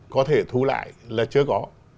có thể thu lại là chưa có